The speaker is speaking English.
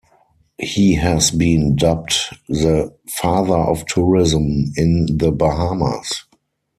He has been dubbed the "Father of Tourism" in The Bahamas.